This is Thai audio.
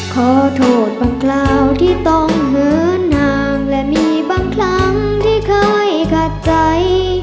ขอโทษบางคราวที่ต้องเหินห่างและมีบางครั้งที่เคยขัดใจ